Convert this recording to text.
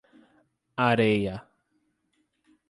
Areia